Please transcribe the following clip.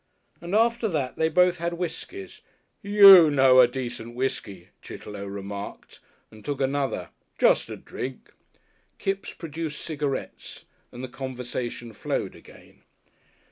And after they had both had whiskeys "You know a decent whiskey," Chitterlow remarked and took another "just to drink." Kipps produced cigarettes and the conversation flowed again.